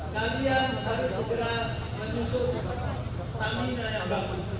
kami yang harus segera menyusut stamina yang bagus